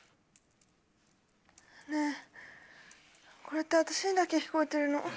ねえこれって私にだけ聞こえてるの？